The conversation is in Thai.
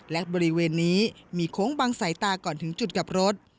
และบริเวณนี้มีโค้งบังสายตาก่อนถึงจุดกลับรถ